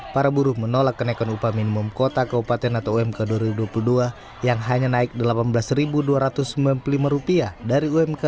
para buruh menolak kenaikan upah minimum kota keopatan atau umk dua ribu dua puluh dua yang hanya naik rp delapan belas dua ratus sembilan puluh lima dari umk dua ribu dua puluh satu